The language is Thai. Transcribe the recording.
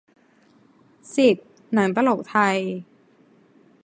สิบ หนังตลกไทย